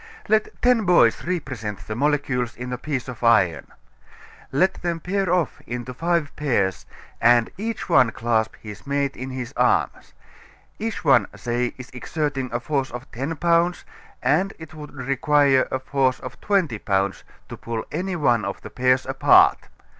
Let ten boys represent the molecules in a piece of iron. Let them pair off into five pairs and each one clasp his mate in his arms; each one, say, is exerting a force of ten pounds, and it would require a force of twenty pounds to pull any one of the pairs apart.